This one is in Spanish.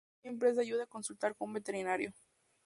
Siempre es de ayuda consultar con un veterinario.